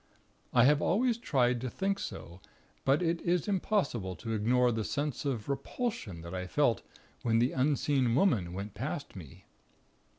I have always tried to think so; but it is impossible to ignore the sense of repulsion that I felt when the unseen Woman went past me.